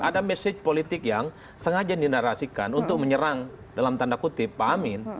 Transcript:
ada message politik yang sengaja dinarasikan untuk menyerang dalam tanda kutip pak amin